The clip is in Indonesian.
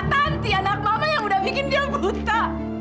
nanti anak mama yang udah bikin dia buta